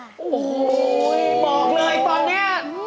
โอ้โหบอกเลยตอนนี้